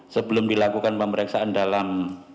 sebelum dilakukan pemeriksaan dalam